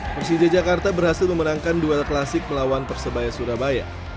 persija jakarta berhasil memenangkan duel klasik melawan persebaya surabaya